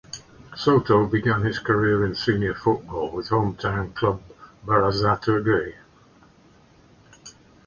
Soto began his career in senior football with hometown club Berazategui.